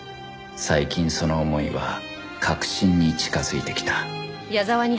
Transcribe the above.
最近その思いは確信に近づいてきた